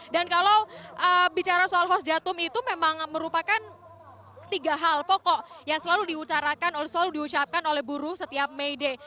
dan kalau bicara soal hos jatum itu memang merupakan tiga hal pokok yang selalu di ucapkan oleh buruh setiap may day